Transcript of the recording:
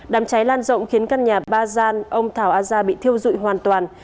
đàm cháy lan rộng khiến các nhà ba gian ông thảo a gia bị thiêu dụi hoàn toàn